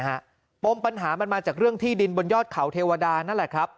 ปมปัญหามันมาจากเรื่องที่ดินบนยอดเขาเทวดานั่นแหละครับ